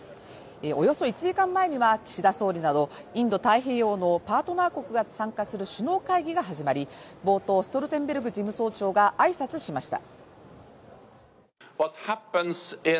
およそ１時間前には岸田総理など、インド太平洋のパートナー国が参加する首脳会議が始まり、冒頭、ストルテンベルグ事務局長が挨拶しました。